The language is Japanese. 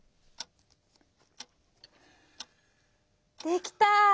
できた。